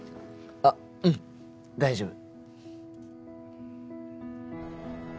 あっうん大丈夫。